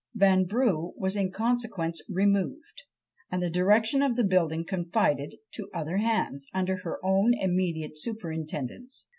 Vanbrugh was in consequence removed, and the direction of the building confided to other hands, under her own immediate superintendence."